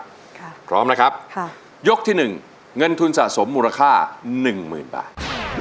ค่ะพร้อมแล้วครับยกที่๑เงินทุนสะสมมูลค่า๑๐๐๐๐บาท